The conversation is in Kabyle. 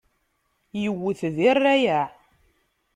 Iwwet di rrayeɛ.